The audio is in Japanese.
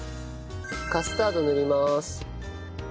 カスタード塗ります。